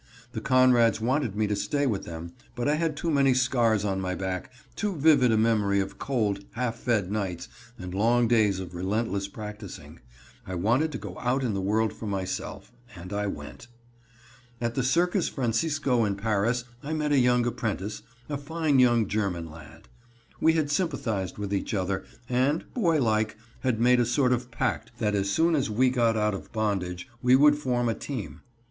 The Conrads wanted me to stay with them, but I had too many scars on my back, too vivid a memory of cold, half fed nights and long days of relentless practicing. I wanted to go out in the world for myself, and I went. At the Circus Francisco in Paris I met a young apprentice, a fine young German lad. We had sympathized with each other, and, boy like, had made a sort of pact that as soon as we got out of bondage we would form a team.